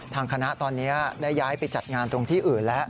ทางคณะตอนนี้ได้ย้ายไปจัดงานตรงที่อื่นแล้ว